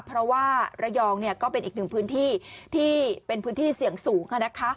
เพราะว่าระยองก็เป็นอีกหนึ่งพื้นที่ที่เป็นพื้นที่เสี่ยงสูง